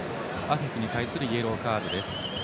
アフィフに対するイエローカードです。